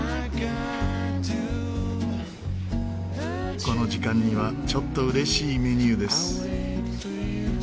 この時間にはちょっと嬉しいメニューです。